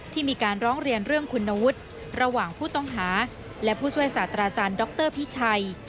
มีการร้องเรียนเรื่องคุณวุฒิระหว่างผู้ต้องหาและผู้ช่วยศาสตราจารย์ดรพิชัย